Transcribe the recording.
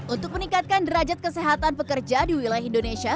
untuk meningkatkan derajat kesehatan pekerja di wilayah indonesia